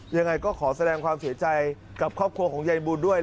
ยังไงก็ขอแสดงความเสียใจกับครอบครัวของยายบุญด้วย